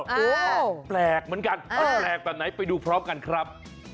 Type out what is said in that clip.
โอ้โหแปลกเหมือนกันมันแปลกแบบไหนไปดูพร้อมกันครับ